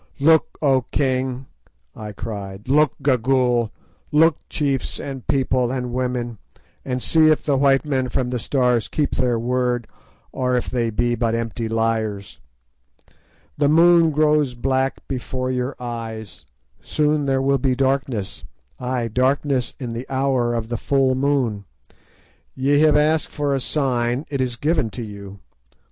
"Look, O king!" I cried; "look, Gagool! Look, chiefs and people and women, and see if the white men from the Stars keep their word, or if they be but empty liars! "The moon grows black before your eyes; soon there will be darkness—ay, darkness in the hour of the full moon. Ye have asked for a sign; it is given to you.